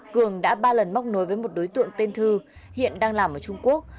cường đã ba lần móc nối với một đối tượng tên thư hiện đang làm ở trung quốc